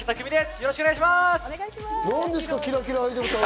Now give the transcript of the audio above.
よろしくお願いします。